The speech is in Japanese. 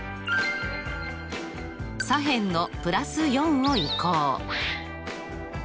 左辺の＋４を移項。